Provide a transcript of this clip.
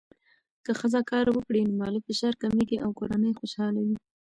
که ښځه کار وکړي، نو مالي فشار کمېږي او کورنۍ خوشحاله وي.